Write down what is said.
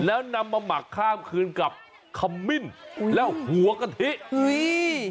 แล้วนำมาหมักข้ามคืนกับขมิ้นอุ้ยแล้วหัวกะทิอุ้ย